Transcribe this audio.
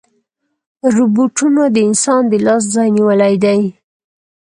روبوټونه د انسان د لاس ځای نیولی دی.